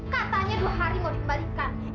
katanya dua hari mau dikembalikan